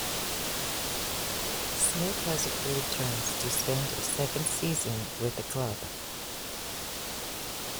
Smith has agreed terms to spend a second season with the club.